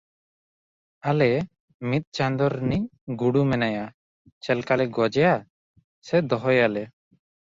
ᱟᱞᱮ ᱢᱤᱫ ᱪᱟᱸᱫᱚ ᱨᱤᱱᱤᱡ ᱜᱩᱰᱩ ᱢᱮᱱᱟᱭᱟ ᱪᱮᱞᱠᱟ ᱞᱮ ᱜᱚᱡᱭᱮᱟ ᱥᱮ ᱫᱚᱦᱚᱭ ᱭᱟ ᱞᱮ ᱾